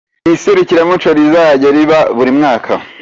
Ni iserukiramuco rizajya riba muri mwaka.